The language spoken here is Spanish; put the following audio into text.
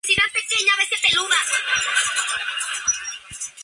Se asoció con Miguel Piñera y crearon el pub "Entre Negros".